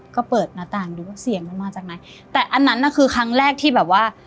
ก็เปิดหน้าต่างดูว่าเสียงมันมาจากไหนแต่อันนั้นน่ะคือครั้งแรกที่แบบว่า